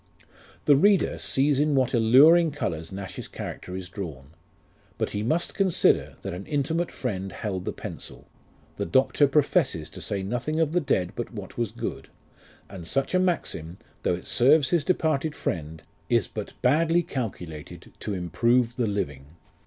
The reader sees in what alluring colours Nash's character is drawn ; but he must consider, that an intimate friend held the pencil ; the Doctor pro fesses to say nothing of the dead but what was good ; and such a maxim, though it serves his departed friend, is but badly calculated to improve the living.